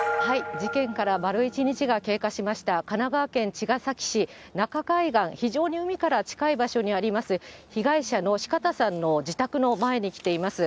事件から丸１日が経過しました、神奈川県茅ヶ崎市中海岸、非常に海から近い場所にあります、被害者の四方さんの自宅の前に来ています。